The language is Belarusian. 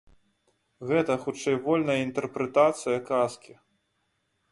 Гэта, хутчэй, вольная інтэрпрэтацыя казкі.